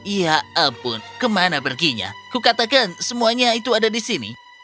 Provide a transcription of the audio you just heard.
ya ampun kemana perginya kukatakan semuanya itu ada di sini